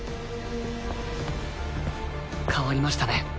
変わりましたね